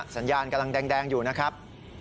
สัญญาณกำลังแดงอยู่นะครับ